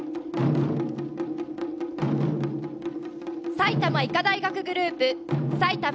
埼玉医科大学グループ・埼玉。